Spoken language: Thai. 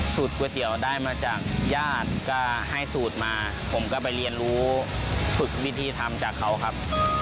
ก๋วยเตี๋ยวได้มาจากญาติก็ให้สูตรมาผมก็ไปเรียนรู้ฝึกวิธีทำจากเขาครับ